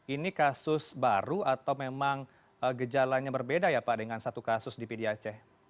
ini kasus baru atau memang gejalanya berbeda ya pak dengan satu kasus di pdac